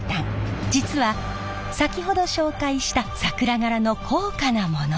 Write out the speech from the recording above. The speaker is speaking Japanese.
実は先ほど紹介した桜柄の高価なもの。